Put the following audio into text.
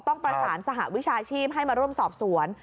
ต้องประสานสหวิชาชีพให้มาร่วมสอบสวน